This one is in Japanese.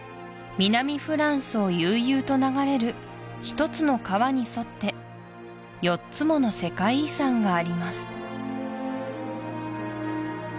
南フランスを悠々と流れる１つの川に沿って４つもの世界遺産があります